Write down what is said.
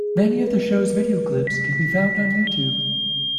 Many of the shows video clips can be found on YouTube.